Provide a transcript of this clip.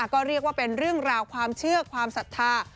ก็เรียกว่าเป็นเรื่องราวความเชื่อความศรัทธา